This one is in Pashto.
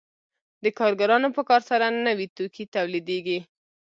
د کارګرانو په کار سره نوي توکي تولیدېږي